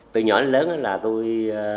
từ nhỏ đến lớn là tôi